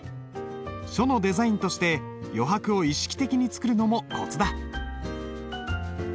書のデザインとして余白を意識的に作るのもコツだ。